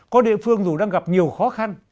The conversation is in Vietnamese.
có địa phương dù đang gặp nhiều khó khăn